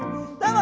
あ！